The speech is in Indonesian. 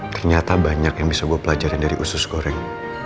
ternyata banyak yang bisa gue pelajarin dari usus goreng